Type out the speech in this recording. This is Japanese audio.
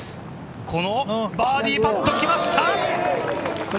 このバーディーパット、きました！